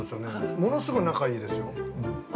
物すごい仲いいですよ。